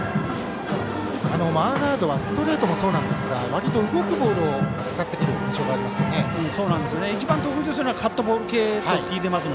マーガードはストレートもそうですが割りと動くボールを使ってくる印象があります。